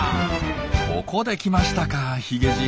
ここで来ましたかヒゲじい。